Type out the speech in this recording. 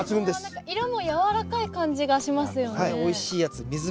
色もやわらかい感じがしますよね。